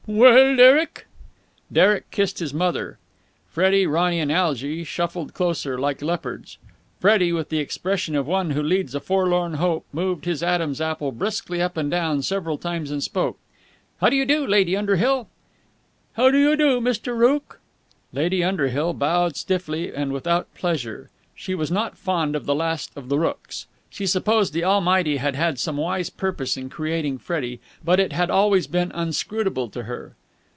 "Well, Derek!" Derek kissed his mother. Freddie, Ronny, and Algy shuffled closer, like leopards. Freddie, with the expression of one who leads a forlorn hope, moved his Adam's apple briskly up and down several times, and spoke. "How do you do, Lady Underhill?" "How do you do, Mr. Rooke?" Lady Underhill bowed stiffly and without pleasure. She was not fond of the Last of the Rookes. She supposed the Almighty had had some wise purpose in creating Freddie, but it had always been inscrutable to her.